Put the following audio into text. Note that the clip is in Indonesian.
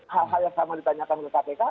hal hal yang sama ditanyakan oleh kpk